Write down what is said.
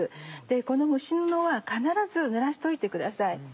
この蒸し布は必ずぬらしといてください。